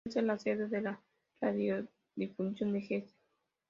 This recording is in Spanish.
Solía ser la sede de la Radiodifusión de Hesse.